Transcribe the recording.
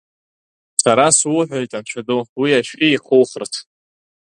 Сара суҳәоит, Анцәа ду, уи ашәи ихухырц!